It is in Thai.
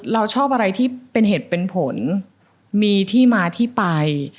เราชอบอะไรที่เป็นเหตุเป็นผลมีที่มาที่ไป